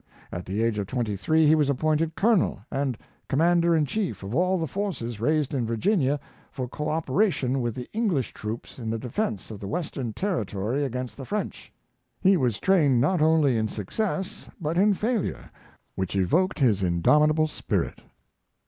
At the age of twenty three he was appointed colonel and commander in chief of all the forces raised in Virginia for co operation with the English troops in 284 Was/i ington. the defense of the western territory against the French. He was trained not only in success, but in failure, which evoked his indomitable spirit.